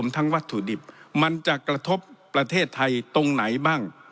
ทั้งวัตถุดิบมันจะกระทบประเทศไทยตรงไหนบ้าง